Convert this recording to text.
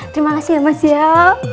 terima kasih ya mas ya